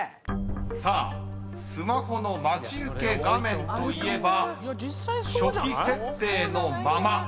［さあスマホの待ち受け画面といえば初期設定のまま］